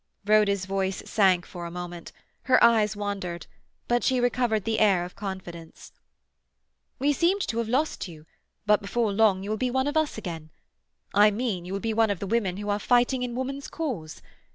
Rhoda's voice sank for a moment; her eyes wandered; but she recovered the air of confidence. "We seemed to have lost you; but before long you will be one of us again. I mean, you will be one of the women who are fighting in woman's cause.